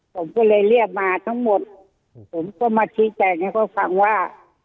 ผมก็เลยเรียกมาทั้งหมดผมก็มาชี้แจงให้เขาฟังว่า